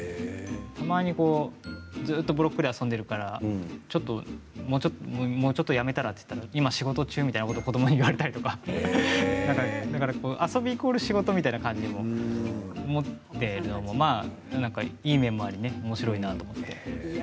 たまにずっとブロックで遊んでいるから、もうちょっとやめたら？と言ったら「今、仕事中」みたいなことを子どもに言われたりとか遊びイコール仕事みたいな感じで思っているのも、いい面もありおもしろいなと思って。